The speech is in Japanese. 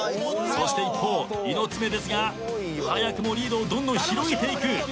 そして一方猪爪ですが早くもリードをどんどん広げていくこのレース運び。